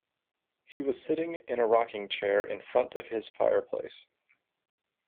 He was sitting in a rocking chair in front of his fireplace.